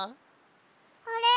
あれ？